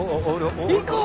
行こうよ！